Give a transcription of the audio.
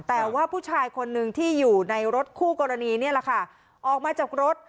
แต่ว่าผู้ชายคนนึงที่อยู่ในรถคู่กรณีนี่แหละค่ะออกมาจากรถ